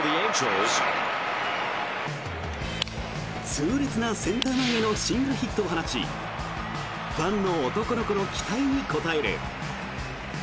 痛烈なセンター前へのシングルヒットを放ちファンの男の子の期待に応える。